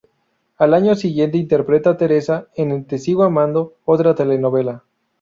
Al año siguiente interpreta a Teresa en "Te sigo amando", otra telenovela.